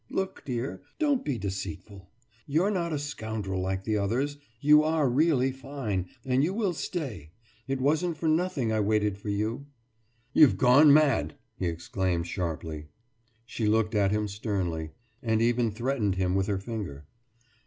Look, dear, don't be deceitful. You're not a scoundrel like the others. You are really fine, and you will stay. It wasn't for nothing I waited for you.« »You've gone mad!« he exclaimed sharply. She looked up at him sternly, and even threatened him with her finger.